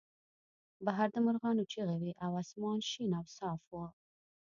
بهر د مرغانو چغې وې او اسمان شین او صاف و